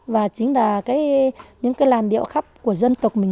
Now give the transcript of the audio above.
và chính là những cái làn điệu khắp của dân tộc mình